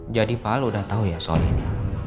jadi pa lo udah tahu ya soal ini